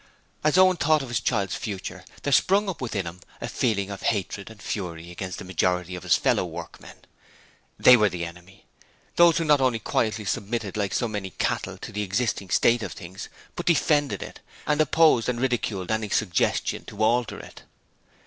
As Owen thought of his child's future there sprung up within him a feeling of hatred and fury against the majority of his fellow workmen. THEY WERE THE ENEMY. Those who not only quietly submitted like so many cattle to the existing state of things, but defended it, and opposed and ridiculed any suggestion to alter it.